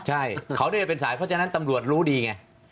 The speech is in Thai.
ใช่เขาได้เป็นสายเพราะฉะนั้นตำรวจรู้ดีไง